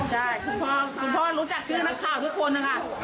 ใช่ผมพ่อรู้จักชื่อนักข่าวทุกคน